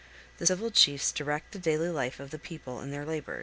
The civil chiefs direct the daily life of the people in their labors.